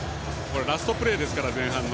ラストプレーですから前半の。